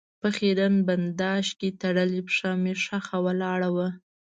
په خېرن بنداژ کې تړلې پښه مې ښخه ولاړه وه.